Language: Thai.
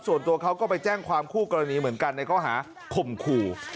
ส่วนตัวเขาก็ไปแจ้งความคู่กรณีเหมือนกันในข้อหาข่มขู่